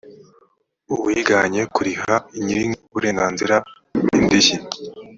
uwiganye kuriha nyir uburenganzira indishyi